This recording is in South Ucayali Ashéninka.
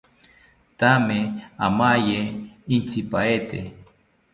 Thame amaye intzipaete